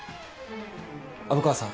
虻川さん